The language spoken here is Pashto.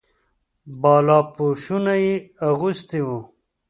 بالاپوشونه یې اغوستي وو.